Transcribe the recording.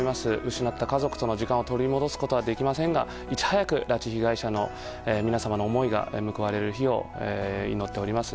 失った家族との時間を取り戻すことはできませんがいち早く拉致被害者の皆様の思いが報われる日を祈っております。